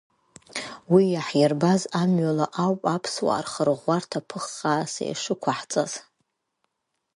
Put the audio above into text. Уи иаҳирбаз амҩала ауп аԥсуаа рхырӷәӷәарҭа ԥыххааса ишықәаҳҵаз.